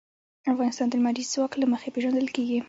افغانستان د لمریز ځواک له مخې پېژندل کېږي.